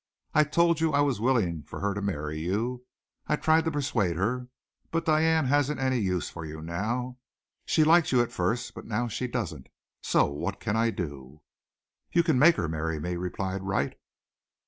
I told you I was willing for her to marry you. I tried to persuade her. But Diane hasn't any use for you now. She liked you at first; but now she doesn't. So what can I do?" "You can make her marry me," replied Wright.